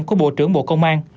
của bộ trưởng bộ công an